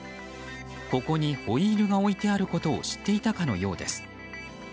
ここにホイールが置いてあることを知っていたかのようです。